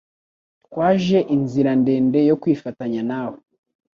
Twaje inzira ndende yo kwifatanya nawe.